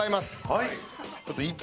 はい。